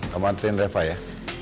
kamu antrein repa ya